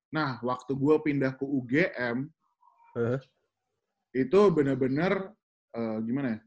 nah waktu gue pindah ke ugm itu benar benar gimana ya